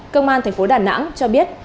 công an tp đà nẵng cho biết